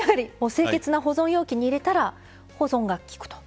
清潔な保存容器に入れたら保存がきくと。